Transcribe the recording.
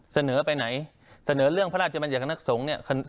เสนอไปไหนเสนอเรื่องพระราชบัญญัติคณะสงฆ์เนี่ย